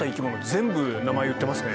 全部名前言ってますね。